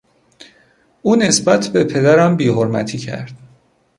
او نسبت به پدرم بیحرمتی کرد.